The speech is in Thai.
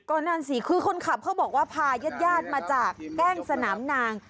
ก็นั่นสิคือคนขับเขาบอกว่าพาญาติมาจากแกล้งสนามนาง